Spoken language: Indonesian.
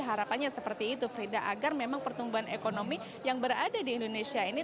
harapannya seperti itu frida agar memang pertumbuhan ekonomi yang berada di indonesia ini